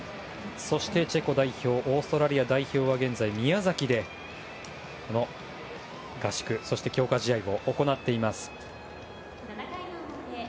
そしてチェコ代表オーストラリア代表は、現在宮崎で合宿強化試合を行っています。